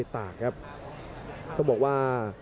ทุกคนค่ะ